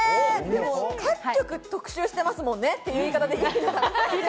でも各局、特集してますもんね、っていう言い方でいいですか？